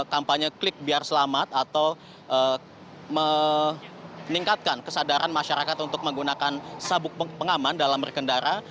kampanye klik biar selamat atau meningkatkan kesadaran masyarakat untuk menggunakan sabuk pengaman dalam berkendara